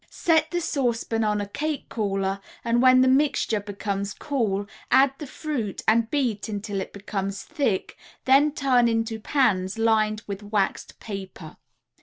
Set the saucepan on a cake cooler and when the mixture becomes cool, add the fruit and beat until it becomes thick, then turn into pans lined with waxed paper.